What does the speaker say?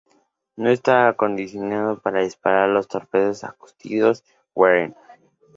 No estaba acondicionado para disparar los torpedos acústicos Wren.